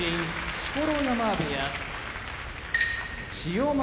錣山部屋千代丸